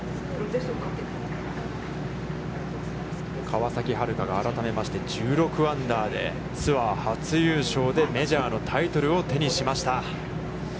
川崎春花が改めまして１６アンダーでツアー初優勝でメジャーのタイトルを手にしました。